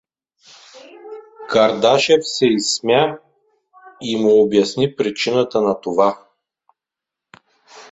Кардашев се изсмя и му обясни причината на това.